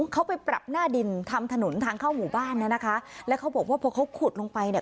เขาไปปรับหน้าดินทำถนนทางเข้าหมู่บ้านเนี่ยนะคะแล้วเขาบอกว่าพอเขาขุดลงไปเนี่ย